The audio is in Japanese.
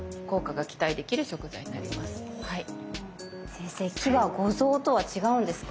先生「気」は五臓とは違うんですか？